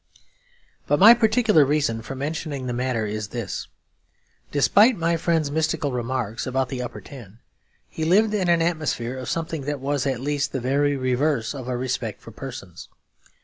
But my particular reason for mentioning the matter is this. Despite my friend's mystical remarks about the Upper Ten, he lived in an atmosphere of something that was at least the very reverse of a respect for persons.